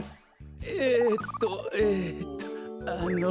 えっとえっとあの。